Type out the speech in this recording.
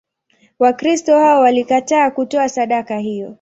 Wakristo hao walikataa kutoa sadaka hiyo.